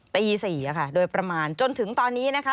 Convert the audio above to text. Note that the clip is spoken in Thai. ตี๔ค่ะโดยประมาณจนถึงตอนนี้นะคะ